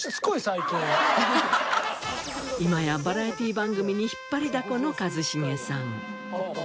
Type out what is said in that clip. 今やバラエティー番組に引っ張りだこの一茂さん。